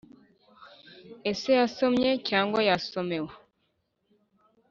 ese yasomye cyangwa yasomewe.